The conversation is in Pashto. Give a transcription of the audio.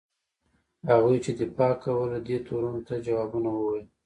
هغوی چې دفاع کوله دې تورونو ته ځوابونه وویل.